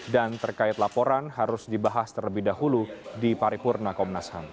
dan terkait laporan harus dibahas terlebih dahulu di paripurna komnas ham